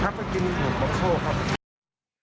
ครับไปกินที่ที่บางโคครับ